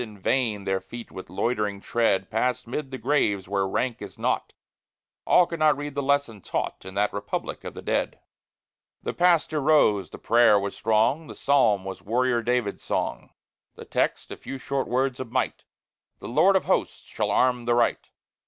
In vain their feet with loitering tread Pass'd mid the graves where rank is naught; All could not read the lesson taught In that republic of the dead. The pastor rose; the prayer was strong; The psalm was warrior David's song; The text, a few short words of might, "The Lord of hosts shall arm the right!"